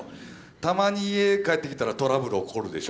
たまに家帰ってきたらトラブル起こるでしょ。